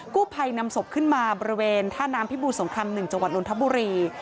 กู้ภัยนำศพขึ้นมาบริเวณท่าน้ำพิบูรสงคราม๑จังหวัดนทบุรี